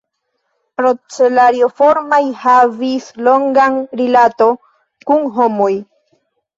Procelarioformaj havis longan rilato kun homoj.